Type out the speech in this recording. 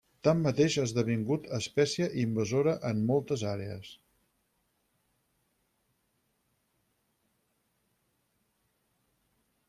Tanmateix ha esdevingut espècie invasora en moltes àrees.